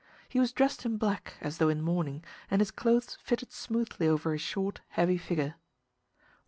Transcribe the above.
He was dressed in black, as though in mourning, and his clothes fitted smoothly over his short heavy figure.